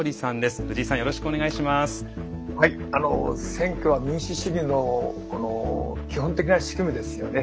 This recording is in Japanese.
選挙は民主主義の基本的な仕組みですよね。